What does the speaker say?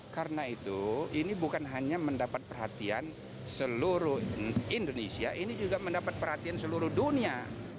karena itu ini bukan hanya mendapat perhatian seluruh indonesia ini juga mendapat perhatian seluruh dunia